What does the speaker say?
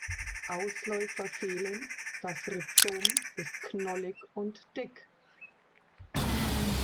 Ausläufer fehlen, das Rhizom ist knollig und dick.